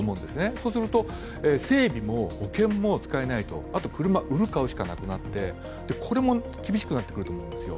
そうすると、整備も保険も使えないあと車を売る、買うしかできなくなって、これも厳しくなると思うんですよ。